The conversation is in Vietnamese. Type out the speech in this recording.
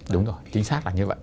đúng rồi chính xác là như vậy